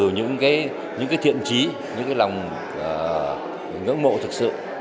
những cái thiện trí những cái lòng ngưỡng mộ thực sự